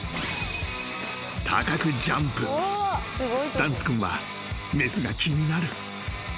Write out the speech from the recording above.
［ダンス君は雌が気になる］